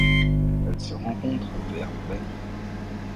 Elle se rencontre vers Baní.